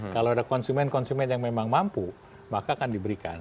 kalau ada konsumen konsumen yang memang mampu maka akan diberikan